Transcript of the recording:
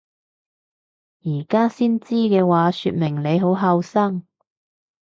而家先知嘅話說明你好後生！